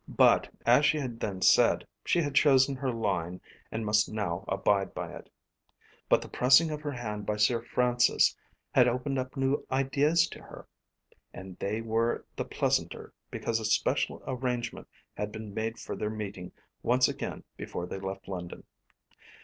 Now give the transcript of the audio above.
But, as she had then said, she had chosen her line and must now abide by it. But the pressing of her hand by Sir Francis had opened up new ideas to her. And they were the pleasanter because a special arrangement had been made for their meeting once again before they left London.